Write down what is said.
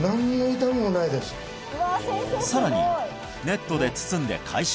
さらにネットで包んで回収